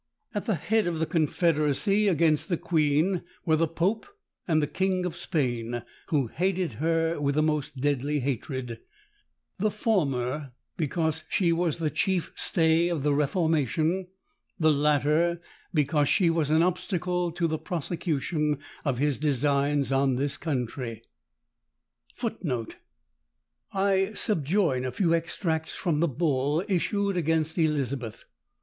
At the head of the confederacy against the queen were the pope and the king of Spain, who hated her with the most deadly hatred,—the former, because she was the chief stay of the reformation, the latter, because she was an obstacle to the prosecution of his designs on this country. [Footnote 1: I subjoin a few extracts from the bull issued against Elizabeth.